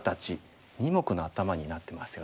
２目のアタマになってますよね。